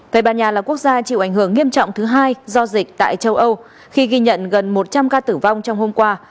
tây ban nha là quốc gia chịu ảnh hưởng nghiêm trọng thứ hai do dịch tại châu âu khi ghi nhận gần một trăm linh ca tử vong trong hôm qua